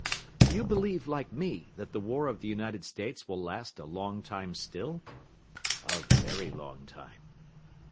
"You believe, like me, that the war of the United States will last a long time still?" "A very long time."